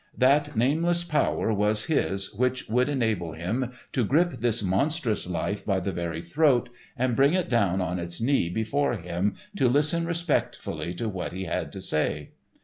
That nameless power was his which would enable him to grip this monstrous life by the very throat, and bring it down on its knee before him to listen respectfully to what he had to say.